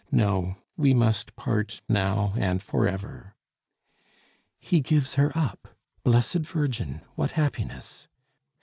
No, we must part now and forever "He gives her up! Blessed Virgin! What happiness!"